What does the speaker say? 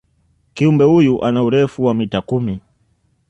kiumbe huyu ana urefu wa mita kumi